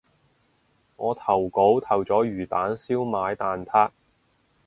我投稿投咗魚蛋燒賣蛋撻